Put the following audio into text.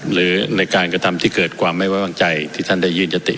หรือในการกระทำที่เกิดความไม่ไว้วางใจที่ท่านได้ยื่นยติ